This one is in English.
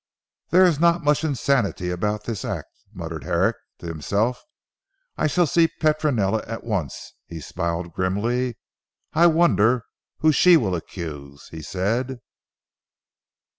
"There is not much insanity about this act," muttered Herrick to himself, I shall see Petronella at once, he smiled grimly, "I wonder who she will accuse," he said.